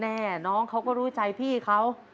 น้องเขาก็รู้ใจพี่เขา